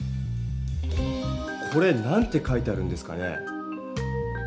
これなんて書いてあるんですかね？